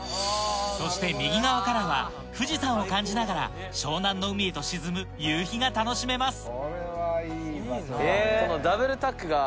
そして右側からは富士山を感じながら湘南の海へと沈む夕日が楽しめます